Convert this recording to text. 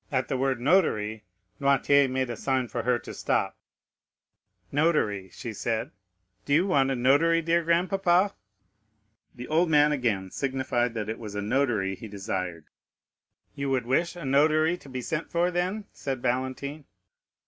At the word Notary, Noirtier made a sign to her to stop. 30169m "Notary," said she, "do you want a notary, dear grandpapa?" The old man again signified that it was a notary he desired. "You would wish a notary to be sent for then?" said Valentine.